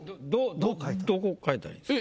どこを変えたらいいんですか？